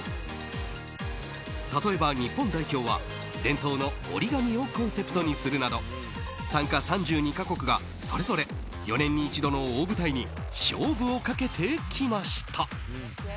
例えば、日本代表は伝統のＯＲＩＧＡＭＩをコンセプトにするなど参加３２か国がそれぞれ４年に一度の大舞台に勝負をかけてきました。